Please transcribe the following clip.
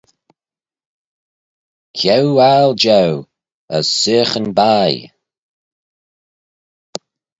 Ceau aggle jeu as seaghyn baih.